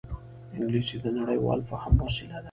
انګلیسي د نړيوال فهم وسیله ده